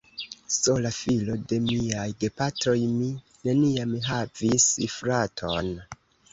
Sola filo de miaj gepatroj, mi neniam havis fraton.